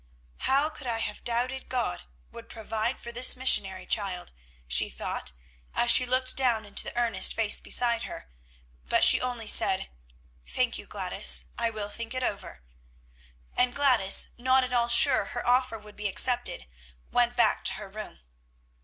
"How could I have doubted God would provide for this missionary child!" she thought, as she looked down into the earnest face beside her; but she only said, "Thank you, Gladys; I will think it over!" and Gladys, not at all sure her offer would be accepted, went back to her room.